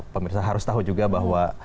pemirsa harus tahu juga bahwa